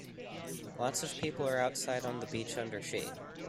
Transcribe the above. Lots of people are outside on the beach under shade.